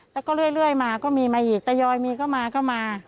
แล้วก็เรื่อยมาก็มีมาอีกแต่ยอยมีก็มาก็มา